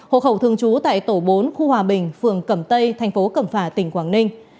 hộ khẩu thường trú tại tổ bốn khu hòa bình phường cẩm tây thành phố cẩm phả tỉnh quảng ninh